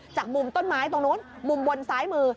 จากมุมต้นไม้ตรงนู้นมุมบนซ้ายมือ